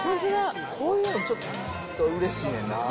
こういうのちょっとうれしいねんなぁ。